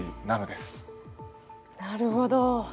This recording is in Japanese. なるほど。